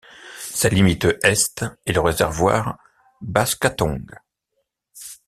Sa limite Est est le réservoir Baskatong.